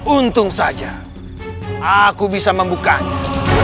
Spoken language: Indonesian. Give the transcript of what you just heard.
untung saja aku bisa membukanya